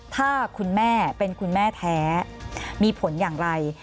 ถ้าคุณแม่เป็นคุณแม่แท้มีผลอย่างไร